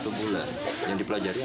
satu bulan yang dipelajari